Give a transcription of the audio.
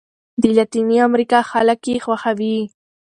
د لاتیني امریکا خلک یې خوښوي.